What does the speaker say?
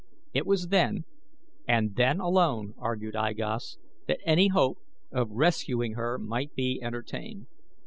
It was then, and then alone, argued I Gos, that any hope of rescuing her might be entertained.